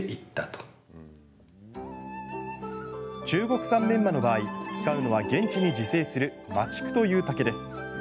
中国産メンマの場合、使うのは現地に自生する麻竹という竹です。